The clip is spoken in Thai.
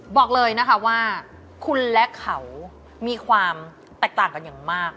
บอกเลยนะคะว่าคุณและเขามีความแตกต่างกันอย่างมาก